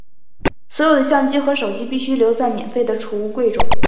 所有的相机和手机必须留在免费的储物柜中。